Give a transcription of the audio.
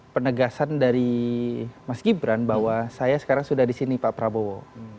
penegasan dari mas gibran bahwa saya sekarang sudah di sini pak prabowo